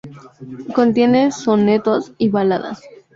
Contiene sonetos y baladas.